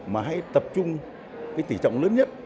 mà hãy tập trung cái tỉ trọng lớn nhất